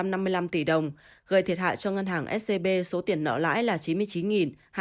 gây thiệt hại cho ngân hàng scb số tiền nợ lãi là chín mươi chín hai trăm hai mươi tám tỷ đồng